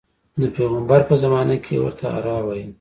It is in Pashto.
د پیغمبر په زمانه کې یې ورته حرا ویل.